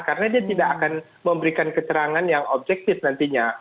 karena dia tidak akan memberikan keterangan yang objektif nantinya